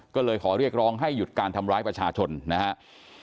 ก็เลยขอเรียกร้องให้หยุดการทำร้ายประชาชนนะครับ